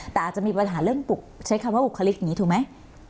แต่อาจจะมีปัญหาเรื่องปลุกใช้คำว่าบุคลิกอย่างนี้ถูกไหม